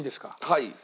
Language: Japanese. はい。